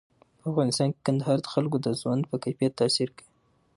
په افغانستان کې کندهار د خلکو د ژوند په کیفیت تاثیر کوي.